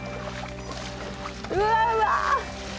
うわうわ。